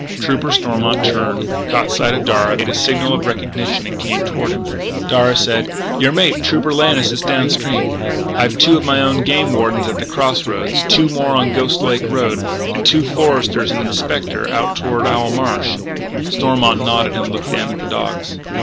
Trooper Stormont turned, caught sight of Darragh, made a signal of recognition, and came toward him. Darragh said: "Your mate, Trooper Lannis, is down stream. I've two of my own game wardens at the cross roads, two more on the Ghost Lake Road, and two foresters and an inspector out toward Owl Marsh." Stormont nodded, looked down at the dogs.